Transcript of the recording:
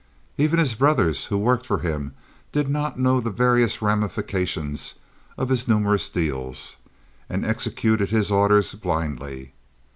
Even his brothers who worked for him did not know the various ramifications of his numerous deals, and executed his orders blindly.